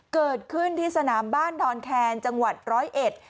เกิดขึ้นที่สนามบ้านดอนแคนจังหวัดร้อยเอ็ด